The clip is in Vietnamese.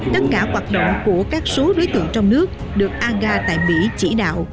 tất cả hoạt động của các số đối tượng trong nước được a đảo tại mỹ chỉ đạo